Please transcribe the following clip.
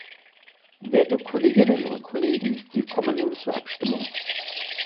Werte Kolleginnen und Kollegen, wir kommen nun zur Abstimmung.